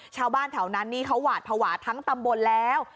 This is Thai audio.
ชาวบ้านแถวนั้นนี่เขาหวาดภาวะทั้งตำบลแล้ว